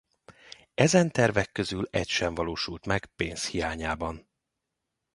Ezen tervek közül egy sem valósult meg pénz hiányában.